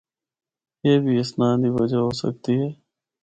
اے بھی اس ناں دی وجہ ہو سکدی ہے۔